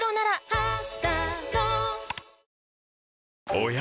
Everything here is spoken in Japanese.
おや？